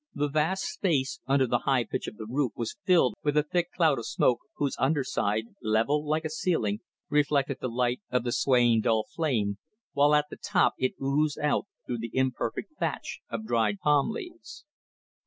The vast space under the high pitch of the roof was filled with a thick cloud of smoke, whose under side level like a ceiling reflected the light of the swaying dull flame, while at the top it oozed out through the imperfect thatch of dried palm leaves.